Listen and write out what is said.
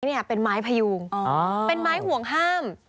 นี่เป็นไม้พยูงเป็นไม้ห่วงห้าม